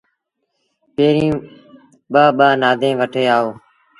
پيريٚݩ ٻآ ٻآ نآديٚݩ وٺي آئو۔